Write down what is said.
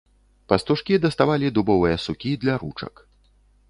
Пастушкі даставалі дубовыя сукі для ручак.